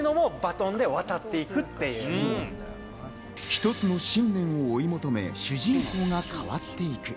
一つの信念を追い求め、主人公が変わっていく。